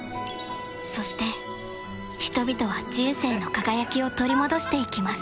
そして人々は人生の輝きを取り戻していきます